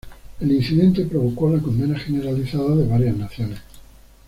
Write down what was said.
El incidente provocó la condena generalizada de varias naciones.